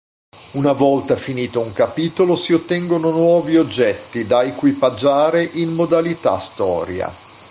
Una volta finito un capitolo si ottengono nuovi oggetti da equipaggiare in modalità storia.